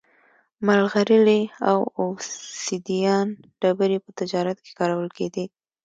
مرغلرې او اوبسیدیان ډبرې په تجارت کې کارول کېدې